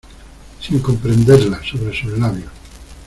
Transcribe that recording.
sin comprenderlas, sobre sus labios.